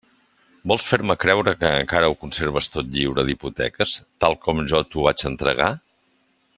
Vols fer-me creure que encara ho conserves tot lliure d'hipoteques, tal com jo t'ho vaig entregar?